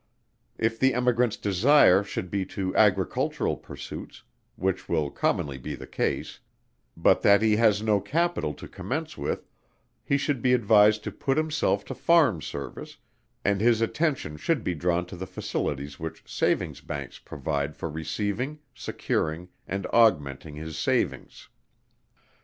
If the Emigrant's desire should be to Agricultural pursuits, which will commonly be the case, but that he has no Capital to commence with, he should be advised to put himself to Farm service, and his attention should be drawn to the facilities which Savings' Banks provide for receiving, securing and augmenting his savings.